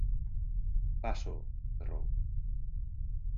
—Paso! —berrou.